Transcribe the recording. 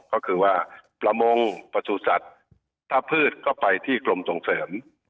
ก็คือว่าประมงประสูจัตว์ถ้าพืชก็ไปที่กรมส่งเสริม